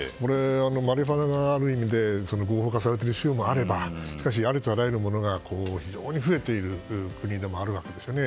マリフアナが合法化されている州もあればありとあらゆるものが非常に増えている国でもあるわけですよね。